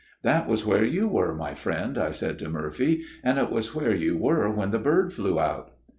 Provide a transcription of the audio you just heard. " 'That was where you were, my friend,' I said to Murphy, * it was where you were when the bird flew out.'